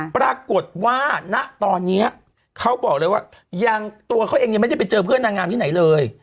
ปรากฏว่าณตอนนี้เขาบอกเลยว่ายังตัวเขาเองยังไม่ได้ไปเจอเพื่อนนางงามที่ไหนเลย